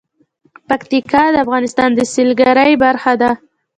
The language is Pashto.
پکتیکا د افغانستان د سیلګرۍ برخه ده.